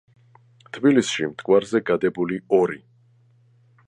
თბილისში მტკვარზე გადებული ორი.